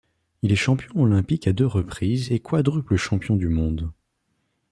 Il est champion olympique à deux reprises et quadruple champion du monde.